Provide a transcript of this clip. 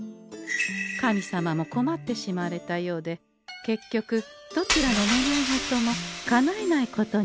神様も困ってしまわれたようで結局どちらの願い事もかなえないことにしたのでござんす。